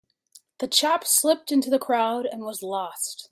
The chap slipped into the crowd and was lost.